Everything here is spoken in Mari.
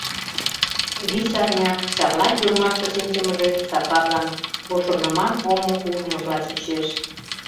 Вич арня Чарла тюрьмаште шинчымыже Сакарлан пошырныман омо ужмыжла чучеш...